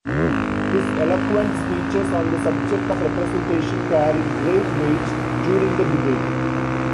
His eloquent speeches on the subject of representation carried great weight during the debate.